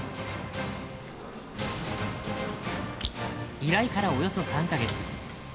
依頼からおよそ３か月。